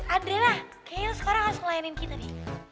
andri lah kayaknya lo sekarang harus ngelayanin kita nih